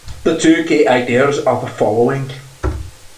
The two key ideas are the following.